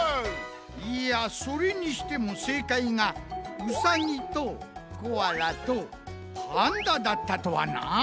いやそれにしてもせいかいがウサギとコアラとパンダだったとはなあ。